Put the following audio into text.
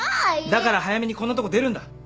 だから早めにこんなとこ出るんだ。